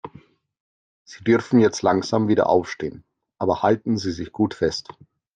Sie dürfen jetzt langsam wieder aufstehen, aber halten Sie sich gut fest.